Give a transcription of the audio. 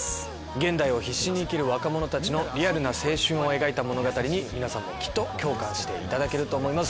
現代を必死に生きる若者たちのリアルな青春を描いた物語に皆さんもきっと共感していただけると思います。